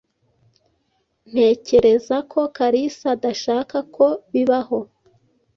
Ntekereza ko Kalisa adashaka ko bibaho.